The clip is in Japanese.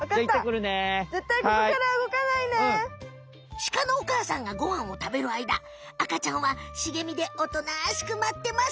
シカのお母さんがごはんを食べるあいだ赤ちゃんは茂みでおとなしく待ってます！